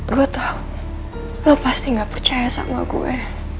gua tahu lo pasti nggak percaya sama gue